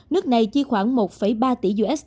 nước này chi khoảng một ba tỷ usd